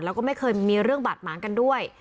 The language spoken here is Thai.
แล้วก็ไม่เคยมีเรื่องบาดหมางกันด้วย